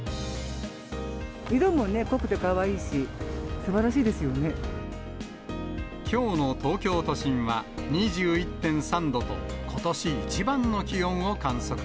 色もね、濃くてかわいいし、きょうの東京都心は、２１．３度と、ことし一番の気温を観測。